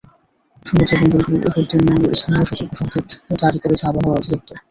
সমুদ্র বন্দরগুলোর ওপর তিন নম্বর স্থানীয় সতর্ক সংকেত জারি করেছে আবহাওয়া দপ্তর।